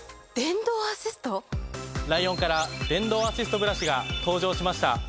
ライオンから電動アシストブラシが登場しました。